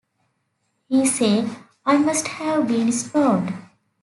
He says: I must have been stoned.